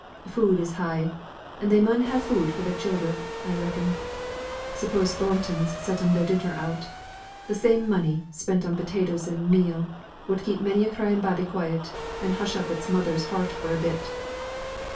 Food is high, and they mun have food for their childer, I reckon. Suppose Thorntons sent 'em their dinner out, th' same money, spent on potatoes and meal, would keep many a crying baby quiet, and hush up its mother's heart for a bit!"